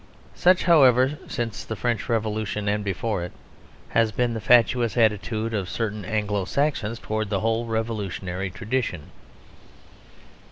Such, however, since the French Revolution and before it, has been the fatuous attitude of certain Anglo Saxons towards the whole revolutionary tradition.